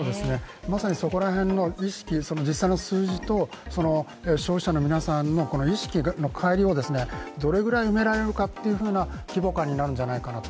まさにそこら辺の意識、実際の数字と消費者の皆さんのこの意識のかい離をどれぐらい狙えるかという規模感になるんじゃないかなと。